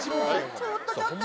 ちょっとちょっと。